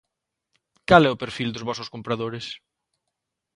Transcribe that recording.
Cal é o perfil dos vosos compradores?